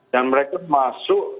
dan mereka masuk